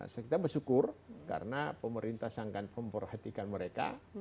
sekitar bersyukur karena pemerintah sangkan memperhatikan mereka